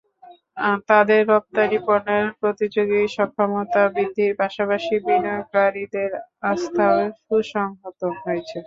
তাদের রপ্তানি পণ্যের প্রতিযোগী সক্ষমতা বৃদ্ধির পাশাপাশি বিনিয়োগকারীদের আস্থাও সুসংহত হয়েছে।